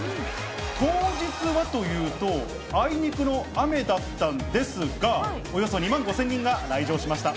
当日はというと、あいにくの雨だったんですが、およそ２万５０００人が来場しました。